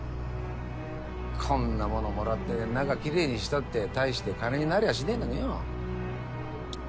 こんなものもらって中きれいにしたって大して金になりゃしねぇのによ。